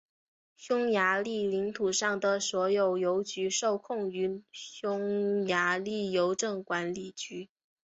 匈牙利领土上的所有邮局受控于匈牙利邮政管理局。